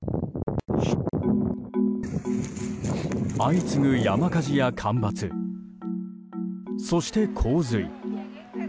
相次ぐ山火事や干ばつそして洪水。